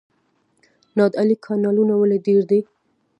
نادعلي کانالونه ولې ډیر دي؟